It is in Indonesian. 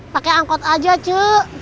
pakai angkot aja cu